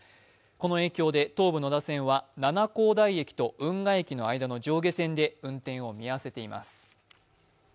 この影響で東武野田線は七光台駅と運河駅の間の上下線で、運転を見合わせています。